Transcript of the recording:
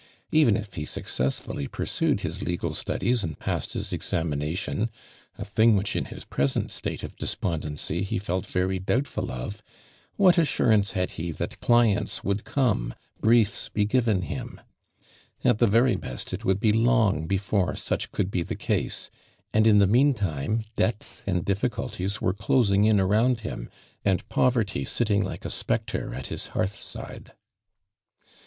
Even if he successful ly pursued his legal studies and passed his examination (a thing which in his present state of despondency he felt very doubtful of) what assurance had he that clients would come — briefs bo given him? At the very best it would be long before such could be the case, and in the meantime debts and difficulties were closing in around him antl poverty sitting like a .spectre at his hearth side.